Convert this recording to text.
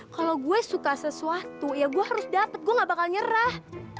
kalo gue suka sesuatu ya gua harus dapet gua gak bakal nyerah